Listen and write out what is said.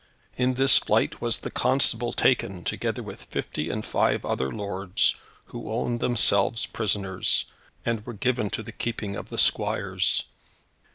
In this fight was the constable taken, together with fifty and five other lords, who owned themselves prisoners, and were given to the keeping of the squires.